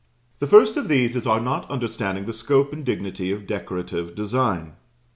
The first of these is our not understanding the scope and dignity of Decorative design.